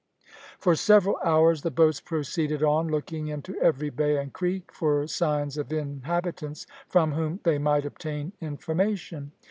For several hours the boats proceeded on, looking into every bay and creek for signs of inhabitants, from whom they might obtain information.